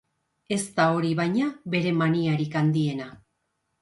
Ez da hori, baina, bere maniarik handiena.